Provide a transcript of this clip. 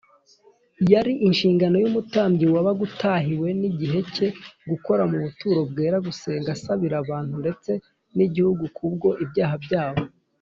Yari inshingano y’umutambyi wabaga utahiwe n’igihe cye gukora mu buturo bwera gusenga asabira abantu ndetse n’igihugu kubwo ibyaha byabo,